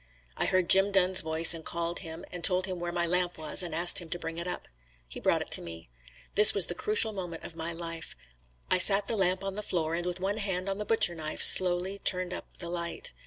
I heard Jim Dunn's voice and called him and told him where my lamp was and asked him to bring it up. He brought it to me. This was the crucial moment of my life. I sat the lamp on the floor, and with one hand on the butcher knife, slowly turned up the light.